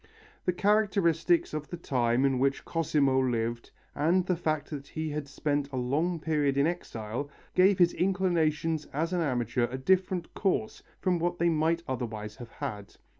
The characteristics of the time in which Cosimo lived and the fact that he had spent a long period in exile, a misfortune brought upon him by jealousy, gave his inclinations as an amateur a different course from what they might otherwise have had.